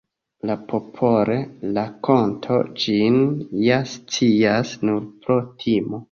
La popol-rakonto ĝin ja scias: nur pro timo.